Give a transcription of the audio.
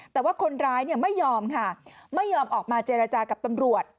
แต่ว่าคนร้ายไม่ยอมค่ะไม่ยอมออกมาเจรจากับตำรวจ